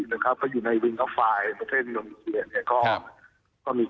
เพราะอยู่ในวิงเท้าไฟประเทศโนโลยีเซีย